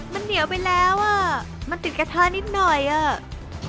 มันเหนียวไปแล้วอ่ะมันติดกระทะนิดหน่อยอ่ะ